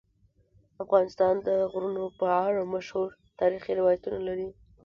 افغانستان د غرونه په اړه مشهور تاریخی روایتونه لري.